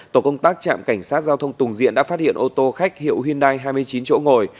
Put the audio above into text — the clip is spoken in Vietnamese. tổ công tác trạm cảnh sát giao thông tùng diện đã phát hiện ô tô khách hiệu hyundai hai mươi chín chỗ ngồi